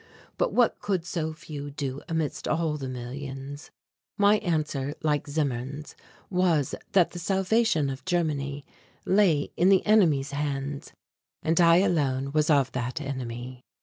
But what could so few do amidst all the millions? My answer, like Zimmern's, was that the salvation of Germany lay in the enemies' hands and I alone was of that enemy.